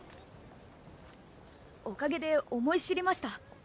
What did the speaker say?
おかげで思い知りました。